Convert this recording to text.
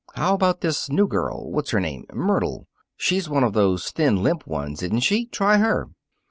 "How about this new girl what's her name? Myrtle. She's one of those thin, limp ones, isn't she? Try her."